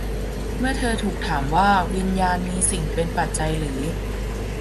เมื่อเธอถูกถามว่า วิญญาณมีสิ่งเป็นปัจจัยหรือ